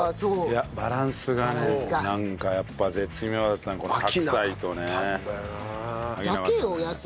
いやバランスがねなんかやっぱ絶妙だったねこの白菜とね。だけよ野菜。